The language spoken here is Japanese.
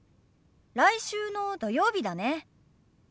来週の土曜日だね。